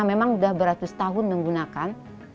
memang sudah beratus tahun menggunakan